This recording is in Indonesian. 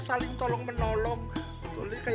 saya harus bantu pak haji